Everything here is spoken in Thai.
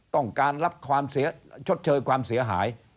ต้องการชดเชยความเสียหาย